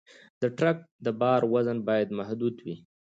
د ټرک د بار وزن باید محدود وي.